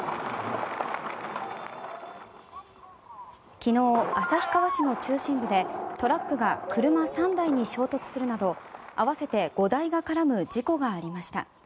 昨日、旭川市の中心部でトラックが車３台に衝突するなど合わせて５台が絡む事故がありました。